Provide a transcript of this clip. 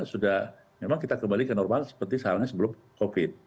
sudah memang kita kembalikan normal seperti sebelum covid